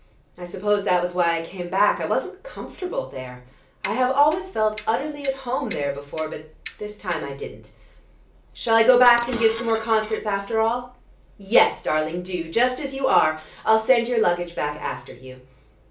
I suppose that was why I came back. I wasn't comfortable there. I have always felt utterly at home there before, but this time I didn't. Shall I go back and give some more concerts after all?" "Yes, darling, do: just as you are. I'll send your luggage back after you.